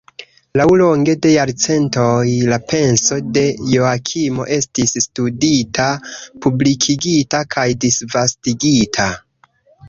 Laŭlonge de jarcentoj la penso de Joakimo estis studita, publikigita kaj disvastigita.